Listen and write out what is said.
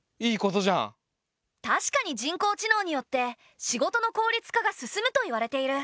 確かに人工知能によって仕事の効率化が進むと言われている。